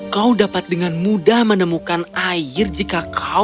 kau dapat dengan mudah menemukan air jika kau terus menggali lubang itu